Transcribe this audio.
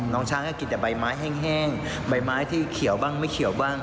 น้องช้างก็กินแต่ใบไม้แห้งใบไม้ที่เขียวบ้างไม่เขียวบ้าง